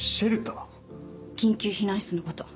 緊急避難室のこと。